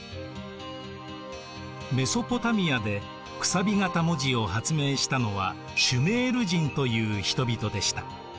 メソポタミアで楔形文字を発明したのはシュメール人という人々でした。